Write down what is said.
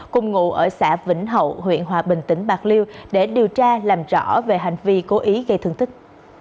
cùng ngụ ở xã vĩnh hậu huyện hòa bình tỉnh bạc liêu để điều tra làm rõ về hành vi cố ý gây thương tích